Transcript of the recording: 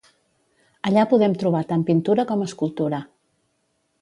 Allà podem trobar tant pintura com escultura.